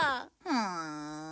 うん。